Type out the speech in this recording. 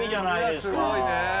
すごいね。